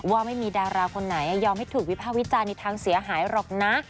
ว่าไม่มีดาราคนไหนยอมให้ถูกวิภาควิจารณ์ในทางเสียหายหรอกนะ